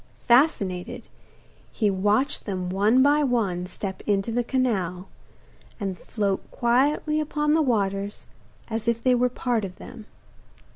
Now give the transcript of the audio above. Fascinated, he watched them one by one step into the canal, and float quietly upon the waters as if they were part of them.